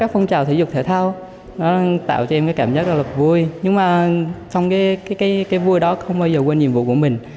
phong trào thể dục thể thao tạo cho em cảm giác vui nhưng mà trong cái vui đó không bao giờ quên nhiệm vụ của mình